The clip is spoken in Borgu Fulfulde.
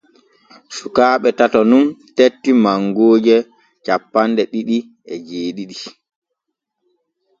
Sukaaɓe tato nun tetti mangooje cappanɗe ɗiɗi e jeeɗiɗi.